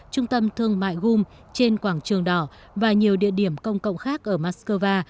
trung tâm thương mại goom trên quảng trường đỏ và nhiều địa điểm công cộng khác ở moscow